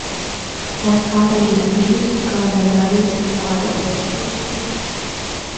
Vai kādai ir bijusi kāda darīšana ar svešiniekiem?